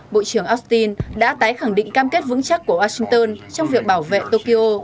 bộ trưởng austin đã tái khẳng định cam kết vững chắc của washington trong việc bảo vệ tokyo